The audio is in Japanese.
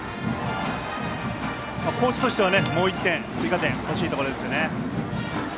高知としては、もう１点追加点欲しいところですね。